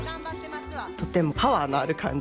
とてもパワーのある感じ。